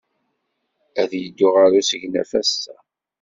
Ad yeddu ɣer usegnaf ass-a.